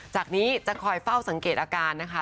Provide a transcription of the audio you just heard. จากนี้จะคอยเฝ้าสังเกตอาการนะคะ